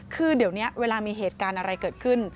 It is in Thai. คือเดี๋ยวนี้เวลามีเหตุการณ์อะไรเกิดขึ้น